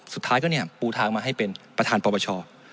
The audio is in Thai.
สุดท้ายก็เนี่ยปูทางมาให้เป็นประธานปปช